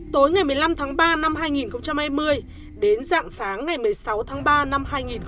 tối ngày một mươi năm tháng ba năm hai nghìn hai mươi đến dạng sáng ngày một mươi sáu tháng ba năm hai nghìn hai mươi